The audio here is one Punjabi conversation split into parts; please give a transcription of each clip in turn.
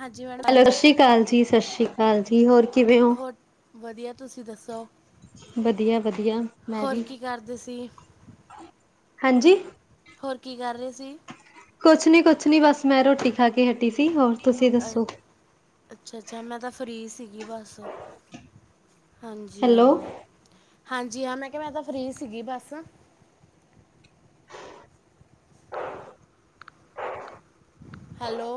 ਹਾਂਜੀ ਮੈਡਮ ਹੈੋ ਸਤਿ ਸ਼੍ਰੀ ਅਕਾਲ ਜੀ, ਸਤਿ ਸ਼੍ਰੀ ਅਕਾਲ ਜੀ, ਹੋਰ ਕਿਵੇਂ ਹੋ? ਹੋਰ ਵਧੀਆ, ਤੁਸੀਂ ਦੱਸੋ? ਵਧੀਆ ਵਧੀਆ ਮੈਂ ਹੋਰ ਵੀ, ਕੀ ਕਰਦੇ ਸੀ ਹਾਂਜੀ। ਹੋਰ ਕੀ ਕਰ ਰਹੇ ਸੀ। ਕੁਛ ਨੀ ਕੁਛ ਨੀ ਬਸ ਮੈਂ ਰੋਟੀ ਖਾ ਕੇ ਹਟੀ ਸੀ, ਹੋਰ ਤੁਸੀਂ ਦੱਸੋ? ਅੱਛਾ-ਅੱਛਾ, ਮੈਂ ਤਾਂ ਫਰੀ ਸੀਗੀ ਬਸ। ਹਾਂਜੀ ਹੈਲੋ, ਹਾਂ, ਹਾਂਜੀ ਹਾਂ, ਮੈਂ ਕਿਹਾ ਮੈਂ ਤਾਂ ਫ੍ਰਰੀ ਸੀਗੀ ਬਸ। ਹੈਲੋ।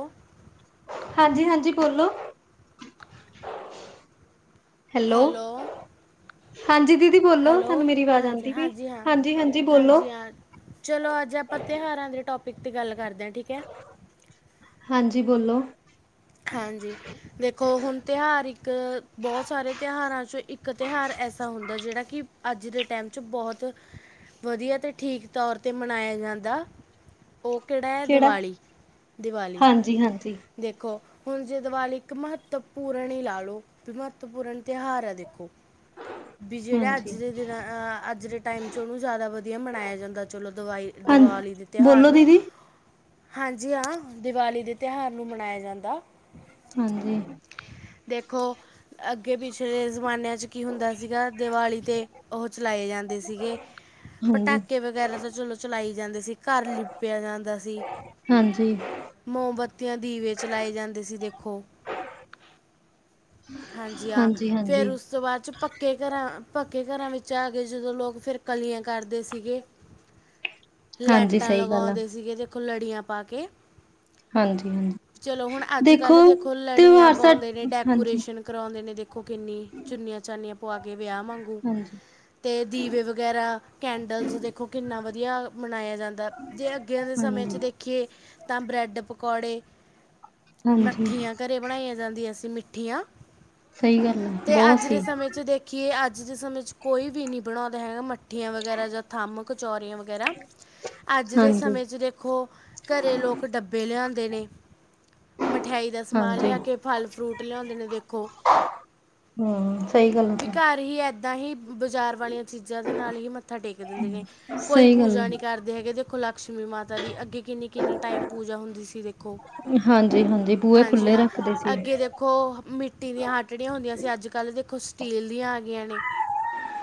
ਹਾਂਜੀ-ਹਾਂਜੀ ਬੋਲੋ। ਹੈਲੋ। ਹਾਂਜੀ ਦੀਦੀ ਬੋਲੋ, ਹੈਲੋ ਤੁਹਾਨੂੰ ਮੇਰੀ ਆਵਾਜ਼ ਹਾਂਜੀ ਆਂਦੀ ਪਈ, ਹਾਂਜੀ ਹਾਂ ਹਾਂਜੀ-ਹਾਂਜੀ ਬੋਲੋ। ਹਾਂਜੀ ਹਾਂ ਚਲੋ ਅੱਜ ਆਪਾਂ ਤਿਉਹਾਰਾਂ ਦੇ ਟੋਪਿਕ ਤੇ ਗੱਲ ਕਰਦੇ ਹਾਂ ਠੀਕ ਐ। ਹਾਂਜੀ ਬੋਲੋ। ਹਾਂਜੀ। ਵੇਖੋ ਹੁਣ ਤਿਉਹਾਰ ਇੱਕ ਬਹੁਤ ਸਾਰੇ ਤਿਉਹਾਰਾਂ ਚੋਂ ਇੱਕ ਤਿਉਹਾਰ ਐਸਾ ਹੁੰਦਾ ਜਿਹੜਾ ਕਿ ਅੱਜ ਦੇ ਟਾਈਮ ਚ ਬਹੁਤ ਵਧੀਆ ਤੇ ਠੀਕ ਤੌਰ ਤੇ ਮਨਾਇਆ ਜਾਂਦਾ। ਉਹ ਕਿਹੜਾ ਐ ਦੀਵਾਲੀ, ਦੀਵਾਲੀ ਹਾਂਜੀ-ਹਾਂਜੀ, ਦੇਖੋ। ਹੁਣ ਜੇ ਦਿਵਾਲੀ ਇੱਕ ਮਹੱਤਪੂਰਨ ਹੀ ਲਾ ਲਓ ਵੀ ਮਹੱਤਪੂਰਨ ਤਿਉਹਾਰ ਹੈ ਦੇਖੋ। ਹ [inaudible] [inaudible] ਵੀ ਜਿਹੜਾ ਅੱਜ ਦੇ ਦਿਨ ਅਹ ਅੱਜ ਦੇ ਟਾਈਮ ਚ ਉਹਨੂੰ ਜਾਦਾ ਵਧੀਆ ਮਨਾਇਆ ਜਾਂਦਾ ਚਲੋ ਦਵਾਈ ਦੀਵਾਲੀ ਤਿਉਹਾਰ ਲੋ ਨੂੰ ਦੀਦੀ। ਹਾਂਜੀ ਹਾਂ ਦੀਵਾਲੀ ਦੇ ਤਿਉਹਾਰ ਨੂੰ ਮਨਾਇਆ ਜਾਂਦਾ। ਹਾਂਜੀ ਦੇਖੋ ਅੱਗੇ ਪਿਛਲੇ ਜ਼ਮਾਨਿਆਂ ਚ' ਕੀ ਹੁੰਦਾ ਸੀਗਾ ਦਿਵਾਲੀ ਤੇ ਉਹ ਚਲਾਏ ਜਾਂ ਦੇ ਸੀਗੇ ਹਾਂਜੀ, ਪਟਾਕੇ ਵਗੈਰਾ ਤਾਂ ਚਲੋ ਚਲਾਏ ਜਾਂਦੇ ਸੀ ਘਰ ਲਿਪਿਆ ਜਾਂਦਾ ਸੀ। ਹਾਂਜੀ। ਮੋਮਬੱਤੀਆਂ ਦੀਵੇ ਚਲਾਏ ਜਾਂ ਦੇਖੋ ਹਾਂਜੀ ਆ ਫੇਰ ਹਾਂਜੀ-ਹਾਂਜੀ, ਉਸ ਸ ਤੋਂ ਬਾਦ ਚ ਪੱਕੇ ਘਰਾਂ ਪੱਕੇ ਘਰਾਂ ਵਿੱਚ ਆ ਕੇ ਜਦੋਂ ਲੋਕ ਫਿਰ ਕਲੀਆਂ ਕਰਦੇ ਸੀਗੇ [inaudible] [inaudible] ਹਾਂਜੀ ਹਾਂਜੀ, ਲੈਟਾਂ ਸਹੀ ਗੱਲ ਆ, ਲਗਉਂਦੇ ਸੀਗੇ ਦੇਖੋ ਲੜੀਆਂ ਪਾ ਕੇ। ਹਾਂਜੀ-ਹਾਂਜੀ। ਚਲੋ ਹੁਣ ਅੱਜ ਕੱਲ ਦੇਖੋ ਲੜੀਆਂ ਤਿਉਹਾਰ ਸਾ ਪੋਂਦੇ ਨੇ ਹਾਂਜੀ, ਡੈਕੋਰੇਸ਼ਨ ਕਰਉਂਦੇ ਦੇਖ ਖੋ ਕਿੰਨੀ ਚੁੰਨੀਆਂ ਚਾਨੀਆਂ ਪੂਆ ਕੇ ਵਿਆਹ ਵਾਂਗੂ ਹਾਂਜੀ, ਤੇ ਦੀਵੇ ਵਗੈਰਾ ਕੈਂਡਲਸ ਦੇਖੋ ਕਿੰਨਾ ਵਧੀਆ ਮਨਾਇਆ ਜਾਂਦਾ ਐ ਜੇ ਅੱਗੇਆ ਦੇ ਸਮੇਂ ਹਾਂਜੀ, 'ਚ ਦੇਖੀਏ ਤਾਂ ਬਰੈਡ ਪਕੌੜੇ ਹਾਂਜੀ ਮੱਠੀਆਂ ਘਰੇ ਬਣਾਈਆਂ ਜਾਂਦੀਆਂ ਸੀ ਮਿੱਠੀਆਂ- ਸਹੀ ਗੱਲ ਹੈ ਤੇ ਬਹੁਤ ਅੱਜ ਸੀ ਦੇ ਸਮੇਂ ਚ ਦੇ ਕੀ ਇਹ ਅੱਜ ਦੇ ਸਮੇਂ ਚ' ਕੋਈ ਵੀ ਨਹੀਂ ਬਣਾਉਂਦੇ ਹੈਗਾ ਮੱਠੀਆਂ ਵਗੈਰਾ ਜਾਂ ਥੰਮ ਕਚੋਰੀਆਂ ਵਗ ਰਾ ਅੱਜ ਦੇ ਹਾਂਜੀ, ਸਮੇਂ 'ਚ ਦੇਖੋ ਘਰੇ ਲੋਕ ਡੱਬੇ ਲਿਆਂਦੇ ਨੇ ਮਠਿਆਈ ਦਾ ਸਮਾਨ ਹਾਂਜੀ ਲਿਆ ਕੇ ਫਲ ਫਰੂਟ ਲਿਆਉਂਦੇ ਨੇ ਦੇਖੌ। ਹਮ ਸਹੀ ਗੱਲ ਆ ਤਾ ਹੀ ਬਾਜ਼ਾਰ ਵਾਲੀਆਂ ਚੀਜ਼ਾਂ ਦੇ ਨਾਲ ਹੀ ਮੱਥਾ ਟੇਕ ਦਿੰਦੇ ਨੇ ਕੋਈ ਸਹੀ ਗੱਲ ਪੂਜਾ ਨਹੀਂ ਹੈ ਕਰ ਹੈਗੇ ਦੇਖੋ ਲਕਸ਼ਮੀ ਮਾਤਾ ਦੀ ਅੱਗੇ ਕਿੰਨੀ-ਕਿੰਨੀ ਟਾਈਮ ਪੂਜਾ ਹੁੰਦੀ ਸੀ ਦੇਖੋ। ਹਾਂਜੀ- ਹਾਂਜੀ ਬੂਹੇ ਖੁੱਲ੍ਹੇ ਰੱਖਦੇ ਸੀ। ਓਹ ਮਿੱਟੀ ਦੀਆਂ ਹਾਟੜੀਆਂ ਹੁੰਦੀਆਂ ਸੀ ਅੱਜ ਕੱਲ੍ਹ ਦੇਖੋ ਸਟੀਲ ਦੀਆਂ ਆ ਗਿਆਂ ਨੇ।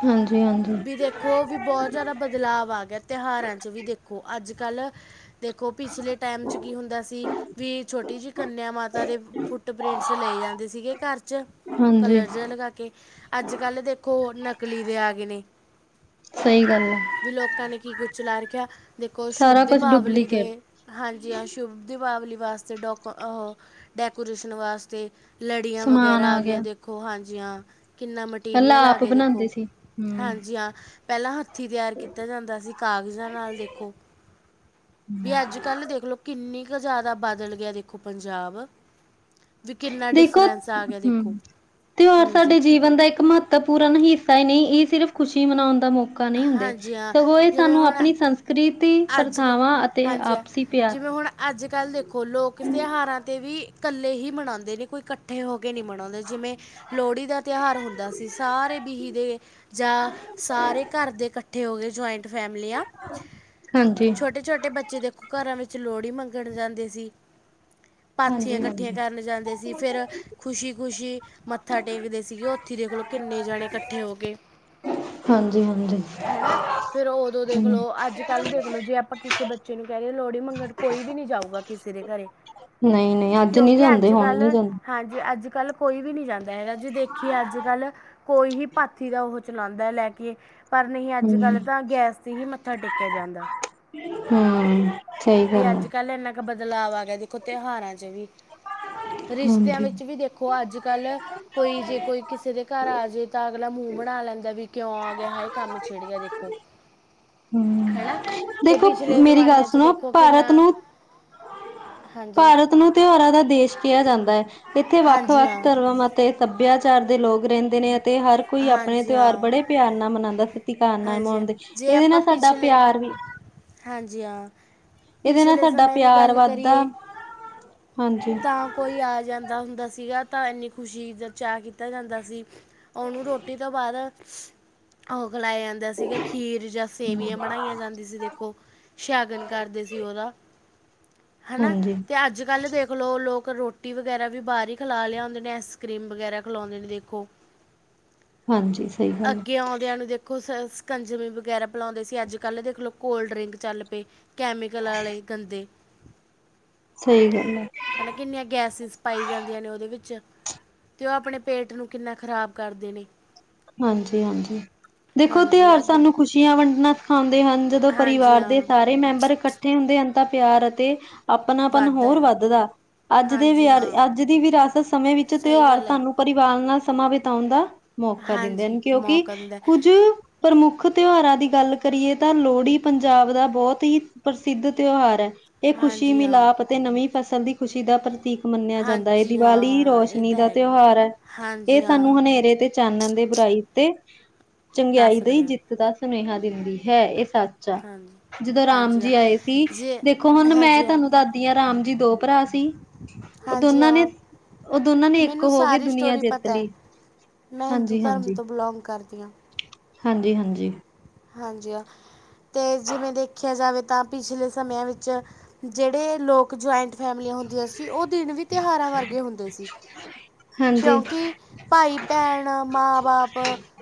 ਹਾਂਜੀ- ਹਾਂਜੀ। ਵੀ ਦੇਖੋ ਵੀ ਬਹੁਤ ਜਾਦਾ ਬਦਲਾਵ ਆ ਗਿਆ ਤਿਉਹਾਰਾਂ ਚ' ਵੀ ਦੇਖੋ ਅੱਜ ਕੱਲ੍ਹ ਦੇਖੋ ਪਿਛਲੇ ਟੈਮ 'ਚ ਕੀ ਹੁੰਦਾ ਸੀ ਵੀ ਛੋਟ ਕੰਨਿਆ ਮਾਤਾ ਦੇ ਫੁੱਟ ਪ੍ਰਿੰਟਸ ਲਏ ਜਾਂਦੇ ਸੀਗੇ ਘਰ ਚ ਹਾਂਜੀ ਕਲਰ ਲਗਾ ਕੇ ਅੱਜ ਕੱਲ੍ਹ ਦੇਖੋ ਨਕਲੀ ਵੀ ਆ ਗਏ ਨੇ। ਸਹੀ ਗੱਲ ਹੈ ਵੀ ਲੋਕਾਂ ਨੇ ਕੀ ਕੁਛ ਲਾ ਰੱਖਿਆ ਵੇਖੋ ਸ਼ੁੱਭ ਸਾਰਾ ਕੁਛ ਦੀਪਾਵਲੀ ਡੁਪਲੀਕੇਟ ਦੇ ਹਾਂਜੀ ਹਾਂ ਸ਼ੁਭ ਦੀਪਾਵਲੀ ਵਾਸਤੇ ਡੋਕੋ ਅਹ ਡੈਕੋਰੇਸ਼ਨ ਵਾਸਤੇ ਲੜੀਆਂ ਸਮਾਨ ਵਗੈਰਾ ਆ ਗਿਆ ਗਿਆਂ ਦੇਖੋ ਹਾਂਜੀ ਹਾਂ ਕਿੰਨਾ ਮ - ਪਹਿਲਾਂ ਟੀਰੀਅਲ ਆ ਆਪ ਗਏ ਬਣਾਉਂਦੇ ਦੇਖੋ ਸੀ ਹੂੰ ਹਾਂਜੀ ਹਾਂ ਪੈਲਾ ਹੱਥੀਂ ਤਿਆਰ ਕੀਤਾ ਜਾਂਦਾ ਸੀ ਕਾਗਜ਼ਾਂ ਨਾਲ ਦੇਖੋ। ਵੀ ਅੱਜ ਕੱਲ੍ਹ ਦੇਖਲੋ ਕਿੰਨੀ ਕੁ ਜਾਦਾ ਬਾਦਲ ਗਿਆ ਦੇਖੋ ਪੰਜਾਬ। ਵੀ ਕਿੰਨਾ ਦੇਖੋ ਡਿਫਰੈਂਸ ਆ ਗਿਆ ਦੇਖੋ ਹਮ ਤਿਉਹਾਰ ਹਾਂਜੀ ਸਾਡੇ ਜੀਵਨ ਦਾ ਇੱਕ ਮਹੱ ਪੂਰਨ ਹਿੱਸਾ ਹੀ ਨਹੀਂ ਇ ਸਿਰਫ਼ ਖੁਸ਼ੀ ਮਨਾਉਣ ਦਾ ਮੌਕਾ ਨਹੀਂ ਹੁੰਦੇ ਹਾਂਜੀ ਹਾਂ ਸਗੋਂ ਇਹ ਜਿਵੇਂ ਸਾਨੂੰ ਹੁਣ ਆਪਣੀ ਸੰਸ ਕ੍ਰਿਤੀ ਅੱਜ ਪ੍ਰਥਾਵਾਂ, ਅਤੇ ਆਪਸੀ ਪਿਆਰ ਅੱਜ-ਕੱਲ੍ਹ ਦੇਖੋ ਲੋਕ ਤਿਉਹਾਰਾਂ 'ਤੇ ਵੀ ਇਕੱਲੇ ਹੀ ਮਨਾਉਂਦੇ ਨੇ, ਕੋਈ ਇਕੱਠੇ ਹੋ ਕੇ ਨਹੀਂ ਮਨਾਉਂਦੇ। ਜਿਵੇਂ ਲੋਹੜੀ ਦਾ ਤਿਉਹਾਰ ਹੁੰਦਾ ਸੀ। ਸਾਰੇ ਬੀਹੀ ਦੇ ਜਾਂ ਸਾਰੇ ਘਰ ਦੇ ਇਕੱਠੇ ਇਕੱਠੇ ਹੋ ਗਏ। ਜੁਆਇੰਟ ਫੈਮਲੀਆ ਹ। ਛੋਟੇ-ਛੋਟੇ ਬੱਚੇ ਦੇਖੋ ਘਰਾਂ ਵਿੱਚ ਲੋਹੜੀ ਮੰਗਣ ਜਾਂਦੇ ਸੀ। ਪਾਥੀਆਂ ਇਕੱਠੀਆਂ ਹਾਂਜੀ-ਹਾਂਜੀ। ਕਰਨ ਜਾਂਦੇ ਸੀ। ਫਿਰ ਖੁਸ਼ੀ-ਖੁਸ਼ੀ ਮੱਥਾ ਟੇਕਦੇ ਸੀਗੇ। ਦੇਖ ਲਓ, ਕਿੰਨੇ ਜਾਣੇ ਇਕੱਠੇ ਹੋ ਕੇ ਹਾਂਜੀ-ਹਾਂਜੀ। ਹਨਾ, ਫੇਰ ਉਦੋਂ ਦੇਖਲੋ, ਅੱਜ ਕੱਲ ਦੇਖਲੋ, ਜੇ ਆਪਾਂ ਕਿਸੇ ਬੱਚੇ ਨੂੰ ਕਹਿ ਰਹੇ। ਲੋੜ ਮੰਗਣ ਕੋਈ ਵੀ ਨੀ ਜਾਊਗਾ। ਕਿਸੇ ਦੇ ਘਰੇ ਨਈ-ਨਈ ਅੱਜ ਨੀ ਕਿਉਂਕਿ ਜਾਂਦੇ ਅੱਜ ਹੁਣ ਕੱਲ ਨੀ ਜਾਂਦੇ। ਹਾਂਜੀ, ਅੱਜ ਕੱਲ੍ਹ ਕੋਈ ਵੀ ਨਹੀਂ ਜਾਂਦਾ ਹੈਗਾ, ਜੀ ਦੇਖੀਏ ਅੱਜ ਕੱਲ ਕੋਈ ਹੀ ਪਾਥੀ ਦਾ ਉਹ ਚਲਾਉਂਦਾ ਲੈ ਕੇ ਪਰ ਨਹੀਂ ਅੱਜ ਹੂੰ ਕੱਲ ਤਾਂ ਗੈਸ ਤੇ ਹੀ ਮੱਥਾ ਟੇਕ ਕਿਆ ਜਾਂਦਾ। ਹਮ। ਵੀ ਅੱਜ ਕੱਲ ਇੰਨਾ ਕੁ ਬਦਲਾਵ ਆ ਗਿਆ। ਦੇਖੋ ਤਿਉਹਾਰਾਂ ਚ ਵੀ ਰਿਸ਼ਤਿਆਂ ਹਾਂਜੀ। ਵਿੱਚ ਵੀ ਦੇਖੋ ਦੇਖੋ, ਅੱਜ-ਕੱਲ੍ਹ ਕੋਈ ਜੇ ਕੋਈ ਕਿਸੇ ਦੇ ਘਰ ਆ ਜਾਵੇ। ਤਾਂ ਅਗਲਾ ਮੂੰਹ ਬਣਾ ਲੈਂਦਾ ਵੀ ਕਿਉਂ ਆ ਗਿਆ‌। ਹਾਏ ਕੰਮ ਛਿੜ ਗਿਆ। ਦੇਖੋ। ਹੂੰ ਹੈ। ਨਾ ਤੇ ਦੇਖੋ ਪਿਛਲੇ ਮੇਰੀ ਗੱਲ ਜ਼ਮਾਨਿਆ ਚ ਸੁਣੋ ਦੇਖੋ ਕਿੰਨਾ ਭਾਰਤ ਨੂੰ ਹਾਂਜੀ ਭਾਰਤ ਨੂੰ ਤਿਉਹਾਰਾਂ ਦਾ ਦੇਸ਼ ਕਿਹਾ ਜਾਂਦਾ ਹੈ। ਇੱਥੇ ਵੱਖ ਹਾਂਜੀ ਵੱਖ ਹਾਂ ਧਰਮਾਂ ਅਤੇ ਸਭਿਆਚਾਰ ਦੇ ਲੋਕ ਰਹਿੰਦੇ ਨੇ, ਅਤੇ ਹਰ ਕੋਈ ਆਪਣੇ ਹਾਂਜੀ ਤਿਉਹਾਰ ਹਾਂ ਬੜੇ ਪਿਆਰ ਨਾਲ ਮਨਾਉਂਦਾ ਪਿਆਰ ਨਾਲ ਹਾਂਜੀ ਹਾਂ ਮਣਾਉਦੇ, ਜੇ ਇਹਦੇ ਆਪਾਂ ਨਾਲ ਸਾਡਾ ਪਿਛਲੇ ਪਿਆਰ ਵੀ ਹਾਂਜੀ, ਹਾਂ। ਇਹਦੇ ਨਾਲ ਪਿਛਲੇ ਸਾਡਾ ਸਮੇਂ ਦੀ ਪਿਆਰ ਗੱਲ ਵੱਧਦਾ। ਕਰੀਏ ਹਾਂਜੀ। ਤਾਂ ਕੋਈ ਆ ਜਾਂਦਾ ਹੁੰਦਾ, ਸੀਗਾ ਤਾਂ ਇੰਨੀ ਖੁਸ਼ੀ ਦਾ ਚਾਅ ਕੀਤਾ ਜਾਂਦਾ ਸੀ। ਉਹਨੂੰ ਰੋਟੀ ਤੋਂ ਬਾਅਦ ਖਲਾਇਆ ਜਾਂਦਾ ਸੀਗਾ, ਖੀਰ ਜਾਂ ਸੇਵੀਆਂ ਬਣਾਈਆਂ ਜਾਂਦੀ ਸੀ ਸ਼ਗਨ ਕਰਦੇ ਸੀ। ਉਹਦਾ ਹੈਨਾ ਤੇ ਹਾਂਜੀ-ਹਾਂਜੀ-ਹਾਂਜੀ ਅੱਜ ਕੱਲ੍ਹ ਦੇਖ ਲਓ ਲੋਕ ਰੋਟੀ ਰੋਟੀ ਵਗੈਰਾ ਵੀ ਬਾਹਰ ਹੀ ਖਿਲਾ ਲਿਆਉੁੰਦੇ ਨੇ। ਆਈਸਕ੍ਰੀਮ ਵਗੈਰਾ ਖਲਾਉਂਦੇ ਨੇ, ਦੇਖੋ। ਸਈ ਗੱਲ ਐ। ਅੱਗੇ ਆਉਂਦਿਆਂ ਨੂੰ ਦੇ ਦੇਖੋ ਸਕੰਜਵੀ ਵਗੈਰਾ ਪਿਲਾਉਂਦੇ ਸੀ। ਅੱਜ-ਕੱਲ੍ਹ ਦੇਖਲੋ ਕੋਲਡ ਡਰਿੰਕ ਚੱਲ ਪਈ। ਕੈਮੀਕਲ ਵਾਲੇ ਗੰਦੇ। ਸਹੀ ਗੱਲ ਹੈ। ਹਨਾ, ਕਿੰਨੀਆਂ ਗੈਸਿਸ ਪਾਈ ਜਾਂਦੀਆਂ ਨੇ, ਉਹਦੇ ਵਿੱਚ ਅਤੇ ਉਹ ਆਪਣੇ ਪੇਟ ਨੂੰ ਕਿੰਨਾ ਖ਼ਰਾਬ ਕਰਦੇ ਨੇ। ਹਾਂਜੀ-ਹਾਂਜੀ। ਦੇਖੋ, ਹਾਂਜੀ ਤਿਉਹਾਰ ਅੱਗੇ ਸਾਨੂੰ ਖੁਸ਼ੀਆਂ ਵੰਡਣਾ ਸਿਖਾਉਂਦੇ ਹਨ। ਜਦੋਂ ਹਾਂਜੀ ਪਰਿਵਾਰ ਦੇ ਹਾਂ ਸਾਰੇ ਮੈਂਬਰ ਇਕੱਠੇ ਹੁੰਦੇ। ਅੰਤਾ ਪਿਆਰ ਅਤੇ ਆਪਣਾ ਪਨ ਵੱਧਦਾ ਹੋਰ ਆ ਵੱਧਦਾ ਅੱਜ ਦੇ ਵਿ ਹਾਂਜੀ ਹਾਂ ਅੱਜ ਦੀ ਵਿਰਾਸਤ ਸਮੇਂ ਵਿੱਚ ਸਹੀ ਤਿਉਹਾਰ ਗੱਲ ਹੈ ਤੁਹਾਨੂੰ ਪਰਿਵਾਰ ਨਾਲ ਸਮਾਂ ਬਿਤਾਉਣ ਦਾ ਮੌਕਾ ਦਿੰਦੇ ਹਾਂਜੀ, ਹਨ। ਕਿਉਂਕਿ ਮੌਕਾ ਦਿੰਦਾ ਕੁੱਝ ਹੈ। ਪ੍ਰਮੁੱਖ ਤਿਉਹਾਰਾਂ ਦੀ ਗੱਲ ਕਰੀਏ, ਤਾਂ ਲੋਹੜੀ ਪੰਜਾਬ ਦਾ ਬਹੁਤ ਹੀ ਪ੍ਰਸਿੱਧ ਤਿਉਹਾਰ ਹੈ। ਇਹ ਖੁਸ਼ੀ ਹਾਂਜੀ, ਹਾਂ। ਮਿਲਾਪ ਅਤੇ ਨਵੀਂ ਫਸਲ ਦੀ ਖੁਸ਼ੀ ਦਾ ਪ੍ਰਤੀਕ ਮੰਨਿਆ ਜਾਂਦਾ ਹੈ। ਹਾਂਜੀ, ਹਾਂ, ਦੀਵਾਲੀ ਹਾਂ ਇਹ ਰੋਸ਼ਨੀ ਤਾਂ ਦਾ ਹੈਗਾ। ਤਿਉਹਾਰ ਹੈ। ਇਹ ਹਾਂਜੀ, ਸਾਨੂੰ ਹਾਂ ਹਨੇਰੇ ਤੇ ਚਾਨਣ ਏ ਬੁਰਾਈ ਤੇ ਚੰਗੇਆਈ ਦੱਸਦਾ ਦੀ ਹੈ। ਜਿੱਤ ਦਾ ਸਨੇਹਾ ਦਿੰਦੀ ਹੈ। ਏਹ ਸੱ ਹਾਂਜੀ। ਜਦੋਂ ਰਾਮ ਹਾਂਜੀ, ਹਾਂ ਜੀ ਆਏ ਸੀ, ਜੇ ਦੇਖੋ ਹੁਨ ਮੈਂ ਹਾਂਜੀ, ਹਾਂ, ਤਾਨੂੰ ਦੱਸਦੀ ਹਾਂ, ਰਾਮ ਜੀ ਦੋ ਭਰਾ ਸੀ। ਓ ਹਾਂਜੀ, ਦੋਨਾਂ ਨੇ- ਹਾਂ ਉਹ ਦੋਨਾਂ ਨੇ, ਇੱਕ ਮੈਨੂੰ ਹੋ ਕੇ ਸਾਰੀ ਦੁਨੀਆਂ ਸਟੋਰੀ ਜਿੱਤ ਪਤਾ ਹੈ। ਲਈ। ਮੈਂ, ਹਿੰਦੂ ਹਾਂਜੀ ਧਰਮ ਹਾਂਜੀ ਤੋਂ ਬਲੋਂਗ ਕਰਦੀ ਹਾਂ। ਹਾਂਜੀ -ਹਾਂਜੀ। ਹਾਂਜੀ, ਆ ਤੇ ਜਿਵੇਂ ਦੇਖੇਆ ਜਾਵੇ ਤਾਂ, ਪਿਛਲੇ ਸਮੇਆਂ ਵਿੱਚ ਜੇਹੜੇ ਲੋਕ ਇੱਕ ਜੁਆਇੰਟ ਫੈਮਲੀਆਂ ਹੁੰਦੀਆਂ ਸੀ। ਓ ਦਿਨ ਵੀ ਤਿਹਾਰਾਂ ਵਰਗੇ ਹੁੰਦੇ ਸੀ। ਹਾਂਜੀ ਕੇਉਂਕਿ ਭਾਈ- ਭੈਣ, ਮਾਂ- ਬਾਪ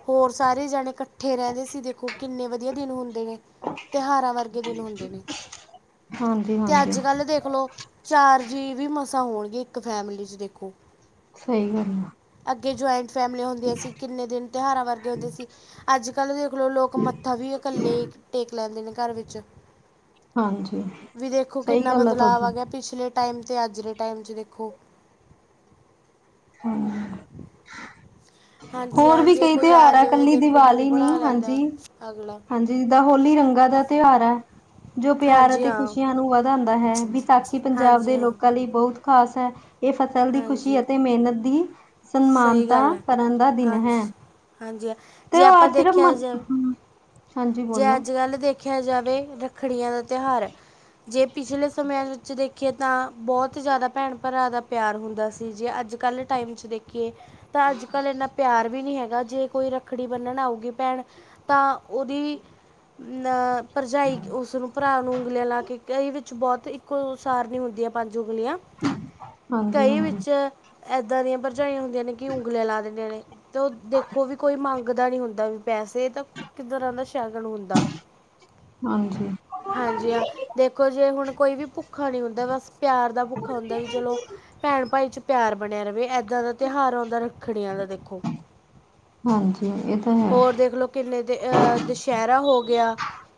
ਹੋਰ ਸਾਰੇ ਜਣੇ ਕੱਠੇ ਰੈੰਦੇ ਸੀ। ਦੇਖੋ ਕਿੰਨੇ, ਵਦੀਆ ਦਿਨ ਹੁੰਦੇ ਨੇ। ਤੇਹਾਰਾਂ ਵਰਗੇ ਦਿਨ ਹੁੰਦੇ ਨੇ, ਹਾਂਜੀ ਤੇ ਹਾਂਜੀ ਅੱਜ -ਕੱਲ੍ਹ ਦੇਖ ਲੋ ਚਾਰ ਜੀ ਵੀ ਮਸਾਂ ਹੋਣਗੇ, ਇੱਕ ਫੈਮਲੀ 'ਚ ਦੇਖੋ ਸਈ ਗੱਲ ਆ। ਅੱਗੇ ਜੁਆਏਂਟ ਫੈਮਲੀਆਂ ਹੁੰਦੀਆਂ ਸੀ, ਕਿੰਨੇ ਦਿਨ ਤਿਹਾਰਾਂ ਵਰਗੇ ਹੁੰਦੇ ਸੀ, ਅੱਜ- ਕੱਲ੍ਹ ਦੇਖ ਲਓ, ਲੋਕ ਮ ਮੱਥਾ ਵੀ, ਕੱਲੇ ਈ ਟੇਕ ਲੈਂਦੇ ਨੇ, ਘਰ ਵਿੱਚ। ਹਾਂਜੀ ਵੀ, ਦੇਖੋ ਸਹੀ ਕਿੰਨਾ ਗੱਲ ਬਦਲਾਵ ਆ ਤੁਹਾਡੀ ਗੇਆ, ਪਿਛਲੇ ਟਾਈਮ ਤੇ ਅੱਜ ਦੇ, ਟਾਈਮ 'ਚ ਦੇਖੋ। ਹਮ। ਹਾਂਜੀ, ਹਾਂ ਵੀ ਜੇ ਕਈ ਕੋਈ ਆ ਤਿਉਹਾਰ ਜਵੇ, ਇਕੱਲੀ ਦੇਖੋ ਮੂੰਹ ਦੀਵਾਲੀ ਨੀ ਬਣਾ ਲੈਂਦਾ, ਹਾਂਜੀ ਅਗਲਾ। ਹਾਂਜੀ ਜਿੱਦਾਂ ਹੋਲੀ ਰੰਗਾਂ ਦਾ ਤੇਹਾਰ ਐ। ਜੋ ਪਿਆਰ ਹਾਂਜੀ ਅਤੇ ਹਾਂ ਖ਼ੁਸ਼ੀਆਂ ਨੂੰ ਵਧਾਂਦਾ ਹੈ। ਵਿਸਾਖੀ ਪੰਜਾਬ ਹਾਂਜੀ ਦੇ ਹਾਂ ਲੋਕਾਂ ਲਈ ਬਹੁਤ ਖਾਸ ਹੈ। ਏਹ ਫਸਲ ਦੀ ਖ਼ੁਸ਼ੀ ਹਾਂਜੀ ਅਤੇ ਮੇਹਨਤ ਦੀ ਸਹੀ ਸਨਮਾਨਤਾ ਗੱਲ ਹੈ ਕਰਨ ਦਾ ਦਿਨ ਹੈ ਹਾਂਜੀ, ਹਾਂਜੀ ਜੇ ਆਪਾਂ, ਤਿਉਹਾਰ ਸਿਰਫ ਦੇਖੇਆ ਮਨ ਜਾਵੇ, ਹਮ, ਹਾਂਜੀ ਜੇ ਬੋਲੋ ਅੱਜ- ਕੱਲ ਦੇ ਦੇਖੇਆ ਜਾਵੇ ਰੱਖੜੀਆਂ ਦਾ ਤਿਉਹਾਰ ਹੈ। ਜੇ ਪਿਛਲੇ ਸਮੇਂਆਂ ਵਿੱਚ ਦੇ ਖੀਏ, ਤਾਂ ਬੌਤ ਜਾਦਾ ਭੈਣ -ਭਰਾ ਦਾ ਪਿਆਰ ਹੁੰਦਾ ਸੀ, ਜੇ ਅੱਜ- ਕੱਲ੍ਹ ਟਾਈਮ 'ਚ ਦੇਖੀਏ ਤਾਂ, ਅੱਜ -ਕੱਲ ਇੰਨਾ ਪਿਆਰ ਵੀ ਨੀਂ ਹੈਗਾ, ਜੇ ਕੋਈ ਰੱਖੜੀ ਬੰਨਣ ਆਊਗੀ ਭੈਣ ਤਾਂ ਓਦੀ ਨ ਭਰਜਾਈ ਉਸਨੂੰ ਭਰਾ ਨੂੰ ਉਂਗਲੀਆਂ ਲਾ ਕੇ, ਕਈ ਵਿੱਚ ਬੌਤ ਇੱਕੋ ਸਾਰ ਨੀਂ ਹੁੰਦੀਆਂ ਪੰਜ ਉਂਗਲੀਆਂ। ਹਾਂਜੀ ਕਈ ਹਾਂਜੀ ਵਿੱਚ, ਏਦਾਂ ਦੀਆਂ ਭਰਜਾਈਆਂ ਹੁੰਦੀਆਂ ਨੇ, ਕਿ ਉਂਗਲੀਆਂ ਲਾ ਦੇਂਦੀਆਂ ਨੇ। ਤੇ ਓ ਦੇਖੋ ਵੀ ਕੋਈ ਮੰਗਦਾ ਨੀ ਹੁੰਦਾ, ਵੀ ਪੈਸੇ ਤਾਂ ਇੱਕ ਤਰ੍ਹਾਂ ਦਾ ਸ਼ਗਨ ਹੁੰਦਾ। ਹਾਂਜੀ। ਹਾਂਜੀ ਹਾਂ, ਦੇਖੋ ਜੇ ਹੁਣ ਕੋਈ ਵੀ ਭੁੱਖਾ ਨੀ ਹੁੰਦਾ, ਬਸ ਪਿਆਰ ਦਾ ਭੁੱਖਾ ਹੁੰਦਾ ਵੀ, ਚਲੋ ਭੈਣ ਭਾਈ 'ਚ ਪਿਆਰ ਬਣੇਆ ਰਵੇ, ਏਦਾਂ ਦਾ ਤਿਉਹਾਰ ਹੁੰਦਾ ਰੱਖੜੀਆਂ ਦਾ, ਦੇਖੋ। ਹਾਂਜੀ [unintelligible] ਹੋਰ ਦੇਖ ਲੋ ਕਿੰਨੇ ਦੇ ਅਹ ਦਸ਼ੈਹਰਾ ਹੋ ਗਿਆ,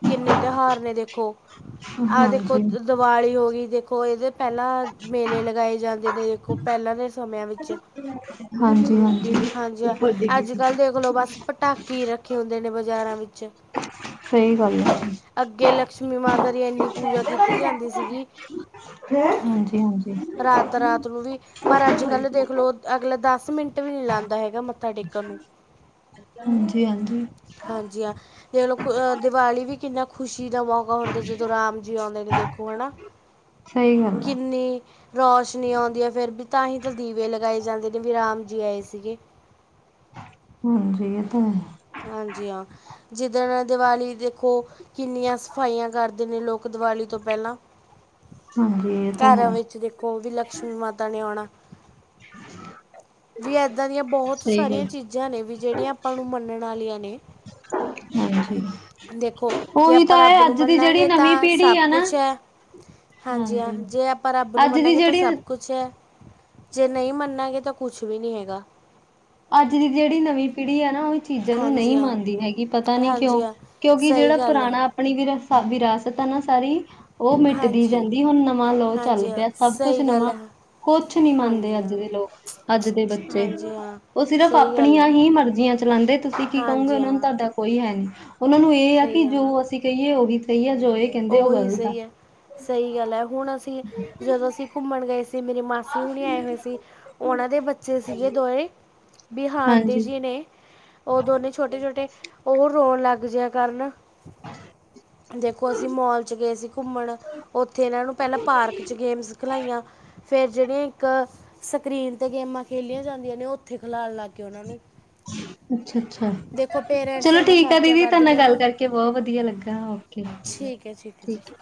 ਕਿੰਨੇ ਤਿਉਹਾਰ ਨੇ ਦੇਖੋ, ਆਹ ਦੇਖੋ, ਹਾਂਜੀ ਦਵਾਲੀ ਹੋ ਗਈ ਦੇਖੋ, ਇਹਦੇ ਪੈਲਾ ਮੇਲੇ ਲਗਾਏ ਜਾਂਦੇ ਨੇ, ਦੇਖੋ, ਪੈਲਾਂ ਦੇ ਸਮੇਆਂ ਵਿੱਚ। ਹਾਂਜੀ ਹਾਂਜੀ ਹਾਂਜੀ ਹਾਂ, ਅੱਜ- ਕੱਲ੍ਹ ਦੇਖ ਲੋ ਬਸ ਪਟਾਕੇ ਈ ਰੱਖ ਰੱਖੇ ਹੁੰਦੇ ਨੇ, ਬਾਜਾਰਾਂ ਵਿੱਚ। ਸਈ ਗੱਲ ਐ। ਲਸ਼ਮੀ ਮਾਤਾ ਦੀ, ਏਨੀ ਪੂਜਾ ਕੀਤੀ ਜਾਂਦੀ ਸੀਗੀ। ਹਾਂਜੀ ਹਾਂਜੀ ਰਾਤ -ਰਾਤ ਨੂੰ ਵੀ, ਪਰ ਅੱਜ -ਕੱਲ ਦੇਖ ਲੋ, ਅਗਲੇ ਦਸ ਮਿੰ ਟ ਵੀ, ਨਹੀਂ ਲਾਂਦਾ ਹੈਗਾ, ਮੱਥਾ ਟੇਕਣ ਨੂੰ। ਹਾਂਜੀ ਹਾਂਜੀ ਹਾਂਜੀ, ਹਾਂ, ਦੇਖ ਲਓ, ਦਿਵਾਲੀ ਵੀ ਕਿੰਨਾ ਖੁਸ਼ੀ ਦਾ ਮੌ ਹੁਨ ਜਦੋਂ ਰਾਮ ਜੀ ਆਉਂਦੇ ਨੇ ਦੇਖੋ ਹਨਾ, ਸਹੀ ਗੱਲ ਹੈ ਕਿੰਨੀ ਰੌਸ਼ਨੀ ਆਉਂਦੀ ਹੈ ਫਿਰ ਵੀ ਤਾਂ ਹੀ ਤਾਂ ਦੀਵੇ ਲਗਾਏ ਜਾਂਦੇ ਨੇ ਵੀ ਰਾਮ ਜੀ ਆਏ ਸੀਗੇ। ਹਾਂਜੀ ਇਹ ਤਾਂ ਹੈ। ਹਾਂਜੀ ਹਾਂ, ਜਿੱਦਣ ਦੀਵਾਲੀ ਦੇਖੋ ਕਿੰਨੀਆਂ ਸਫਾਈਆਂ ਕਰਦੇ ਨੇ ਲੋਕ ਦੀਵਾਲੀ ਤੋਂ ਪਹਿਲਾਂ। ਹਾਂਜੀ ਇਹ ਤਾਂ ਘਾਰਾਂ ਹੈ ਵਿੱਚ ਦੇਖੋ ਵੀ ਲਕਸ਼ਮੀ ਮਾਤਾ ਨੇ ਆਣਾ। [inaudible] ਵੀ ਇੱਦਾਂ ਦੀਆਂ ਬਹੁਤ ਸਹੀ ਗੱਲ ਸਾਰੀਆਂ ਚੀਜ਼ਾਂ ਨੇ ਵੀ ਜਿਹੜੀਆਂ, ਆਪਾਂ ਨੂੰ ਮੰਨਣ ਵਾਲੀਆਂ ਨੇ ਹੂੰ ਹੂੰ ਦੇਖੋ, ਜੇ ਆਪਾਂ ਰੱਬ ਨੂੰ ਮੰਨਾਂਗੇ ਨਵੀਂ ਤਾਂ ਪੀੜ੍ਹੀ ਸਭ ਆ ਨਾ ਕੁਛ ਐ। ਹਾਂਜੀ ਹਾਂ ਜੇ ਆਪਾਂ ਰੱਬ ਨੂੰ ਅੱਜ ਦੀ ਮੰਨਗੇ ਤਾਂ ਜਿਹੜੀ ਸਭ ਕੁਛ ਛੈ, ਜੇ ਨਹੀਂ ਮੰਨਾਂਗੇ ਤਾਂ ਕੁਛ ਵੀ ਨੀ ਹੈਗਾ। ਅੱਜ ਦੀ ਜਿਹੜੀ ਨਵੀਂ ਪੀੜ੍ਹੀ ਐ ਨਾ ਉਹ ਚੀਜ਼ਾਂ ਨੂੰ ਨਈ ਹਾਂਜੀ ਹਾਂ ਮੰਨਦੀ ਹੈਗੀ ਪਤਾ ਨੀ ਕਿਉਂ, ਹਾਂਜੀ ਹਾਂ ਕਿਉਂਕਿ ਸਹੀ ਜਿਹੜਾ ਗੱਲ ਹੈ ਪੁਰਾਣਾ ਆਪਣੀ ਵਿਰਾਸ-ਵਿਰਾਸਤ ਆ ਨਾ ਸਾਰੀ ਉਹ ਮਿਟਦੀ ਹਾਂਜੀ ਜਾਂਦੀ, ਹੁਣ ਨਵਾਂ ਲੋ ਹਾਂਜੀ ਚੱਲ ਹਾਂ ਪਿਆ, ਸਭ ਕੁਛ ਸਹੀ ਗੱਲ ਨਵਾਂ ਹੈ ਕੁਛ ਨੀ ਮੰਨਦੇ ਹਾਂਜੀ ਅੱਜ ਹਾਂ ਦੇ ਲੋਕ, ਅੱਜ ਦੇ ਬੱਚੇ। ਹਾਂਜੀ ਹਾਂ ਉਹ ਸਿਰਫ਼ ਸਹੀ ਗੱਲ ਆਪਣੀਆਂ ਹੈ ਹੀ ਮਰਜ਼ੀਆਂ ਚਲਾਦੇ, ਤੁਸੀਂ ਕੀ ਕਹੋਗੇ ਹਾਂਜੀ ਉਹਨਾਂ ਨੂੰ ਹਾਂ ਤੁਹਾਡਾ ਕੋਈ ਹੈ ਨੀ। ਉਹਨਾਂ ਨੂੰ ਇਹ ਆ ਸਹੀ ਕਿ ਗੱਲ ਜੋ ਅਸੀਂ ਕਹੀਏ ਉਹੀ ਸਹੀਏ, ਜੋ ਇਹ ਕ ਉਹੀ ਸਹੀ ਐ, ਸਹੀ ਗੱਲ ਹੈ ਹੁਣ ਅਸੀਂ, ਜਦੋਂ ਅਸੀਂ ਘੁੰਮਣ ਗਏ ਸੀ ਮੇਰੀ ਮਾਸੀ ਹੁਣੇ ਆਏ ਹੋਏ ਸੀ, ਉਹਨਾਂ ਦੇ ਬੱਚੇ ਸੀਗੇ ਦੋਵੇਂ ਬੀਹਾਨ ਦੇ ਹਾਂਜੀ, ਜੇ ਨੇ, ਉਹ ਦੋਨੇ ਛੋਟੇ- ਛੋਟੇ ਉਹ ਰੋਣ ਲੱਗ ਜੇ ਕਰਨ [inaudible] ਦੇਖੋ, ਅਸੀਂ ਮੋਲ 'ਚ ਗਏ ਅ ਸੀ ਘੁੰਮਣ ਉੱਥੇ, ਇਨਾਂ ਨੂੰ ਪਹਿਲਾਂ ਪਾਰਕ ਚ ਗੇਮਸ ਖਿਲਾਈਆਂ ਫਿਰ ਜਿਹੜੀਆਂ ਇੱਕ ਸਕਰੀਨ 'ਤੇ ਗੇਮਾਂ ਖੇਲੀਆਂ ਜਾਂਦੀਆਂ ਨੇ, ਉਹ ਉੱਥੇ ਖਿਲਉਣ ਲੱਗ ਗਏ ਉਹਨਾਂ ਨੂੰ ਅੱਛਾ -ਅੱਛਾ, ਦੇਖੋ ਪੇਰੈਂਟਸ ਚਲੋ ਇੰਨਾ ਠੀਕ ਆ ਖਰਚਾ ਦੀਦੀ, ਕਰਦੇ ਤੁਨੇ ਨੇ ਨਾਲ ਗੱਲ ਉਹਨੂੰ ਕਰਕੇ ਬਹੁਤ ਵਧੀਆ ਲੱਗਾ ਹੋ। ਠੀਕ ਐ, ਹੈ ਹੈ ਜੀ ਠੀਕ